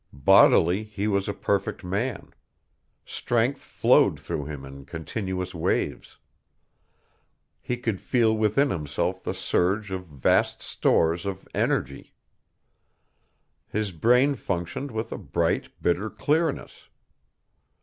Bodily, he was a perfect man. Strength flowed through him in continuous waves. He could feel within himself the surge of vast stores of energy. His brain functioned with a bright, bitter clearness.